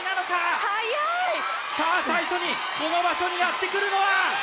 さあ最初にこの場所にやってくるのは？